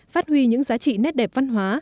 phát huy những giá trị nét đẹp văn hóa